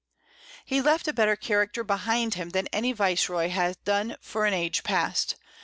He left a better Character behind him than any Vice roy had done for an Age past.